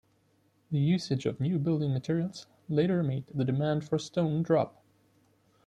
The usage of new building materials later made the demand for stone drop.